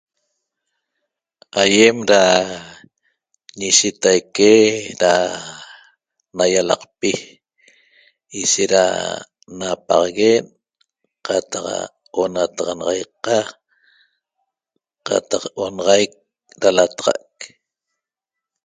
Aýem da ñishitaique da na ýalaqpi ishet da napaxague'n qataq onataxanaxaiqa qataq onaxaic da lataxa'c